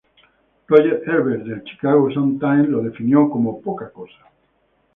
Roger Ebert del Chicago Sun-Times la definió como ""poca cosa"".